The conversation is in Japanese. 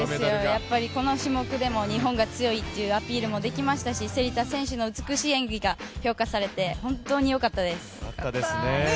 やっぱりこの種目でも日本が強いというアピールもできましたし芹田選手の美しい演技が評価されて本当によかったです。